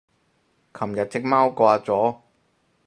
琴日隻貓掛咗